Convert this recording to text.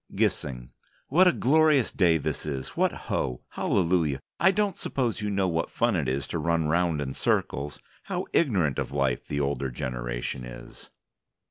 GISSING: What a glorious day this is. What ho! Halleluiah! I don't suppose you know what fun it is to run round in circles. How ignorant of life the older generation is.